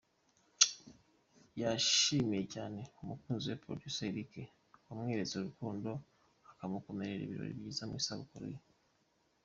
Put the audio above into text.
Yashimiye cyane umukunzi we producer Eric wamweretse urukundo akamukorera ibirori byiza ku isabukuru ye.